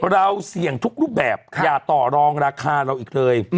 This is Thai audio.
เราเสี่ยงทุกรูปแบบอย่าต่อรองราคาเราอีกเลย